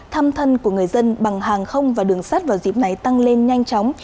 thăm thân của người dân bằng hàng không và đường sắt vào dịp này tăng lên nhanh chóng